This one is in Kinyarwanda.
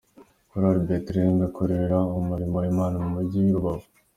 Choral Bethlehem ikorera umurimo w’ Imana mu mujyi wa Rubavu.